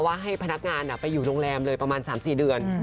ให้พนักงานไปอยู่โรงแรมเลยประมาณ๓๔เดือน